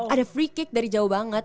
ada free cake dari jauh banget